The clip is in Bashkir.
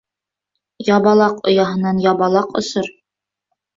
Ябалаҡ ояһынан ябалаҡ осор